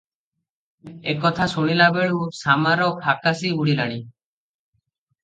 ଏ କଥା ଶୁଣିଲାବେଳୁଁ ଶାମାର ଫାକାଶି ଉଡ଼ିଲାଣି ।